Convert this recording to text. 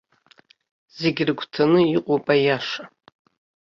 Зегьы рыгәҭаны иҟоуп аиаша.